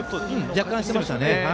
若干、してましたね。